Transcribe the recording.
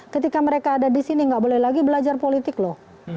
ketika mereka ada di sini nggak boleh lagi belajar politik loh